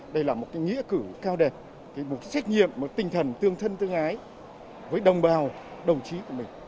đây là một nghĩa cử cao đẹp một trách nhiệm một tinh thần tương thân tương ái với đồng bào đồng chí của mình